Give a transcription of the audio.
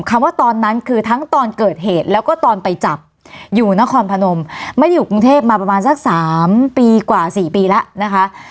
ว่าตอนนั้นคือทั้งตอนเกิดเหตุแล้วก็ตอนไปจับอยู่นครพนมไม่ได้อยู่กรุงเทพมาประมาณสัก๓ปีกว่า๔ปีแล้วนะคะ